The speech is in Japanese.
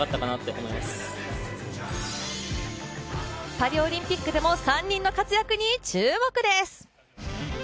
パリオリンピックでも３人の活躍に注目です。